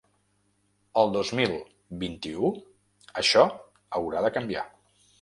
El dos mil vint-i-u, això haurà de canviar!